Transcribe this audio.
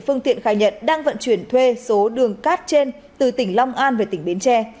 phương tiện khai nhận đang vận chuyển thuê số đường cát trên từ tỉnh long an về tỉnh bến tre